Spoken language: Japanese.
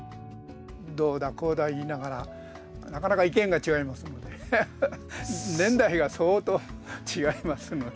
どうだこうだ言いながらなかなか意見が違いますんで年代が相当違いますので。